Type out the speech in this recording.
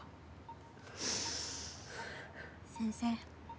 先生